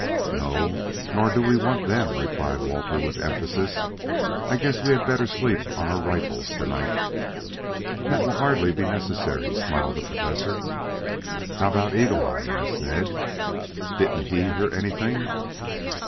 "No, nor do we want them," replied Walter, with emphasis. "I guess we had better sleep on our rifles to night." "That will hardly be necessary," smiled the Professor. "How about Eagle eye?" asked Ned. "Didn't he hear anything?"